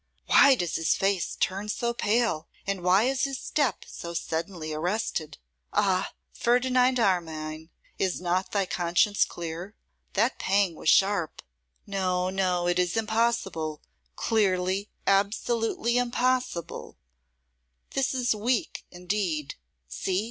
why does his face turn so pale, and why is his step so suddenly arrested? Ah! Ferdinand Armine, is not thy conscience clear? That pang was sharp. No, no, it is impossible; clearly, absolutely impossible; this is weak indeed. See!